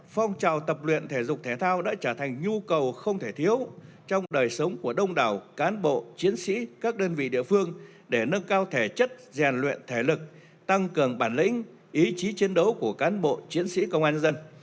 phong trào tập luyện thể dục thể thao đã trở thành nhu cầu không thể thiếu trong đời sống của đông đảo cán bộ chiến sĩ các đơn vị địa phương để nâng cao thể chất rèn luyện thể lực tăng cường bản lĩnh ý chí chiến đấu của cán bộ chiến sĩ công an dân